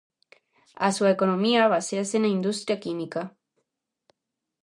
A súa economía baséase na industria química.